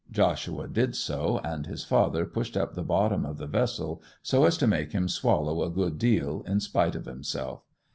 Joshua did so, and his father pushed up the bottom of the vessel so as to make him swallow a good deal in spite of himself.